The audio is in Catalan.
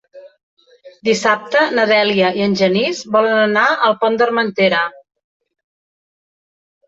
Dissabte na Dèlia i en Genís volen anar al Pont d'Armentera.